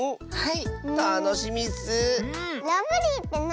はい！